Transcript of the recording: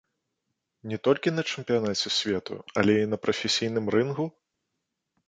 Не толькі на чэмпіянаце свету, але і на прафесійным рынгу?